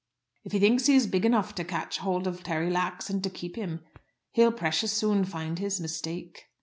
"If he thinks he is big enough to catch a hold of Terry Lax and keep him, he'll precious soon find his mistake."